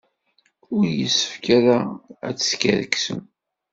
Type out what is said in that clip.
Ur yessefk ara ad teskerksem.